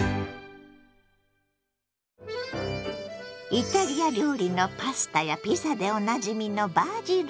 イタリア料理のパスタやピザでおなじみのバジル。